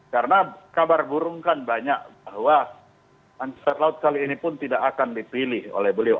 karena kabar burung kan banyak bahwa angkatan laut kali ini pun tidak akan dipilih oleh beliau